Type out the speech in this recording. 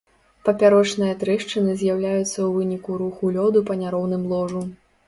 Папярочныя трэшчыны з'яўляюцца ў выніку руху лёду па няроўным ложу.